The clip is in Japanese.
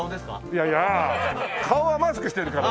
いやいや顔はマスクしてるから。